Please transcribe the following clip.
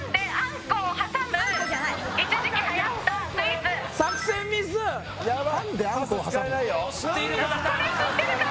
これ知ってるかな？